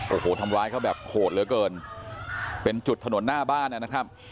โอ้โหทำร้ายเขาแบบโหดเหลือเกินเป็นจุดถนนหน้าบ้านนะครับ